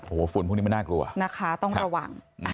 โอ้โหฝุ่นพวกนี้มันน่ากลัวนะคะต้องระวัง